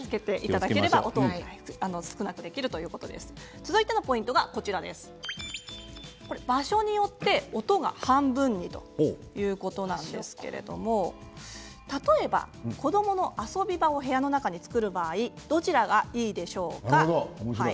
続いてのポイントは場所によって音が半分にということなんですけれども例えば子どもの遊び場を部屋の中に作る場合どちらがいいでしょうか。